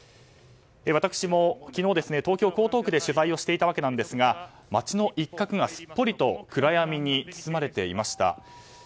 私も昨日、東京・江東区で取材をしていたんですが街の一角が、すっぽりと暗闇に包まれていました。